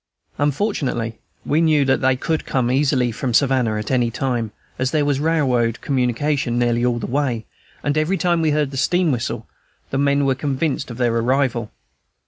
Unfortunately, we knew that they could easily come from Savannah at any time, as there was railroad communication nearly all the way; and every time we heard the steam whistle, the men were convinced of their arrival.